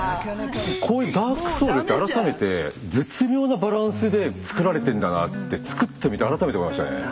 こういう「ＤＡＲＫＳＯＵＬＳ」って改めて絶妙なバランスで作られてんだなって作ってみて改めて分かりましたね。